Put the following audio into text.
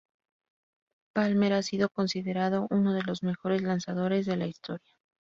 Palmer ha sido considerado uno de los mejores lanzadores de la historia.